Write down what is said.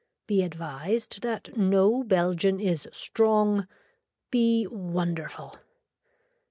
Be advised that no belgian is strong, be wonderful.